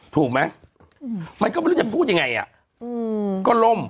ถูกไหมมันก็ไม่รู้จะพูดยังไงอ่ะก็ล่ม